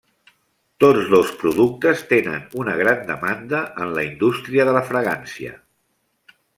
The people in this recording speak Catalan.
Tots dos productes tenen una gran demanda en la indústria de la fragància.